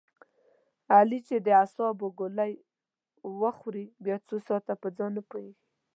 علي چې د اعصابو ګولۍ و خوري بیا څو ساعته په ځان نه پوهېږي.